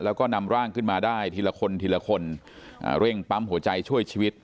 แล้วก็นำร่างขึ้นมาได้ทีละคนทีละคนอ่าเร่งปั๊มหัวใจช่วยชีวิต